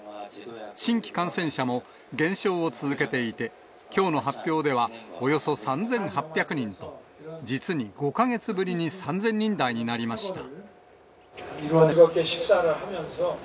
新規感染者も、減少を続けていて、きょうの発表では、およそ３８００人と、実に５か月ぶりに３０００人台になりました。